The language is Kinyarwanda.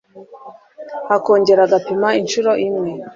akongera agapima incuro imwe